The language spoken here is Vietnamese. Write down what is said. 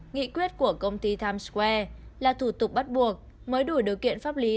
nghị quyết của công ty times square là thủ tục bắt buộc mới đủ điều kiện pháp lý